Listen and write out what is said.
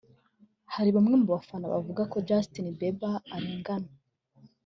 Hari bamwe mu bafana bavuga ko Justin Bieber arengana